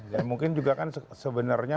dan mungkin juga kan sebenarnya